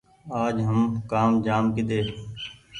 آج هم ڪآم جآم ڪيۮي